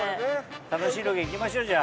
楽しいロケ行きましょうじゃあ。